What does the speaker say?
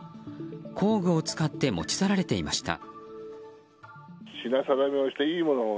工具を使って持ち去られていました。